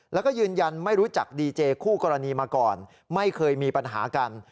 แล้วก็ยืนยันไม่รู้จักดีเจคู่กรณีมาก่อนไม่เคยมีปัญหากัน